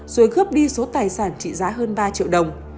rồi cướp đi số tài sản trị giá hơn ba triệu đồng